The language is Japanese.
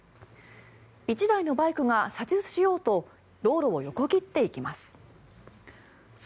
１台のバイクが左折しようと道路を横切っていきます。